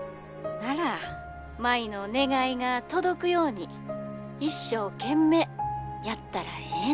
☎なら舞の願いが届くように一生懸命やったらええの。